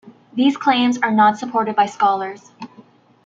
These claims are not supported by scholars.